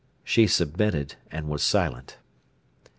She submitted, and was silent.